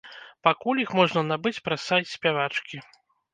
Пакуль іх можна набыць праз сайт спявачкі.